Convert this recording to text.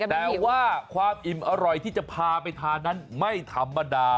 แต่ว่าความอิ่มอร่อยที่จะพาไปทานนั้นไม่ธรรมดา